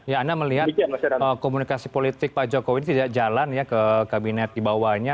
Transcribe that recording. ya anda melihat komunikasi politik pak jokowi ini tidak jalan ya ke kabinet di bawahnya